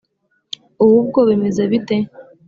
Ubu bwo bimeze bite?